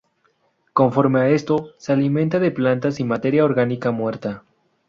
Conforme a esto, se alimentan de plantas y materia orgánica muerta.